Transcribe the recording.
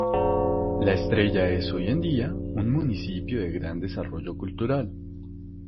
La Estrella es hoy día, un municipio de gran desarrollo cultural.